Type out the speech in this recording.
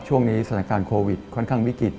ช่วงนี้สถานการณ์โควิดค่อนข้างวิกฤต